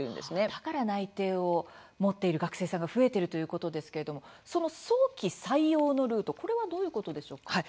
だから内定を持っている学生さんが増えているということですけれども早期採用のルート、これはどういうことでしょうか？